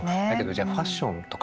じゃあファッションとかもね